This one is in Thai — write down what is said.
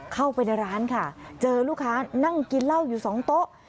เข้าไปในร้านค่ะเจอลูกค้านั่งกินเหล้าอยู่สองโต๊ะ